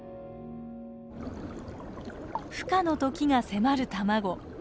ふ化の時が迫る卵。